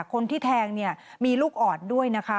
คนที่แทงเนี่ยมีลูกอ่อนด้วยนะคะ